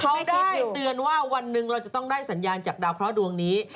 เขาได้เตือนว่าวันหนึ่งเราจะต้องได้สัญญาณจากดาวเคราะห์ดวงนี้